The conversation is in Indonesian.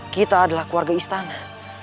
kita adalah keluarga istana